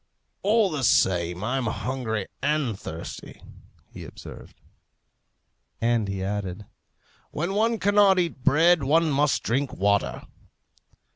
"All the same, I'm hungry and thirsty," he observed. And he added, "When one cannot eat bread, one must drink water."